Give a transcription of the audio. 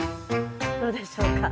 どうでしょうか？